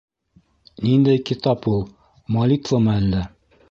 — Ниндәй китап ул, молитвамы әллә?